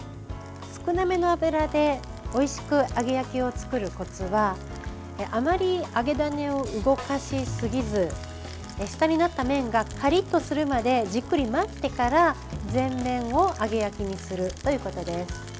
少なめの油でおいしく揚げ焼きを作るコツはあまり揚げダネを動かしすぎず下になった面がカリッとするまでじっくり待ってから全面を揚げ焼きにするということです。